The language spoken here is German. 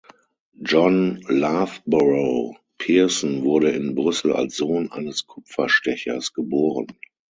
John Loughborough Pearson wurde in Brüssel als Sohn eines Kupferstechers geboren.